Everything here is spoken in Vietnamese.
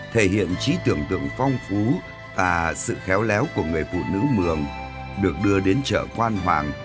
thể hiện trí tưởng tượng phong phú và sự khéo léo của người phụ nữ mường được đưa đến chợ quan hoàng